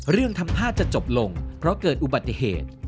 เรื่องทำท่าจะจบลงเพราะเกิดอุบัติเหตุ